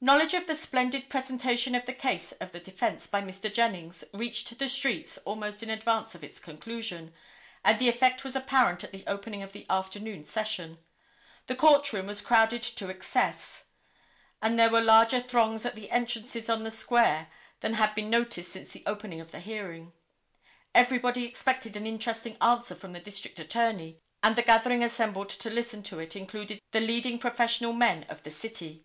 Knowledge of the splendid presentation of the case of the defence by Mr. Jennings reached the streets almost in advance of its conclusion, and the effect was apparent at the opening of the afternoon session. The court room was crowded to excess, and there were larger throngs at the entrances on the square than had been noticed since the opening of the hearing. Everybody expected an interesting answer from the District Attorney, and the gathering assembled to listen to it included the leading professional men of the city.